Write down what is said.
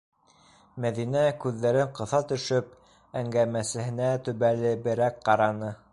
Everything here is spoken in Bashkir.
- Мәҙинә, күҙҙәрен ҡыҫа төшөп, әңгәмәсеһенә төбәлеберәк ҡараны.